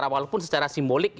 walaupun secara simbolik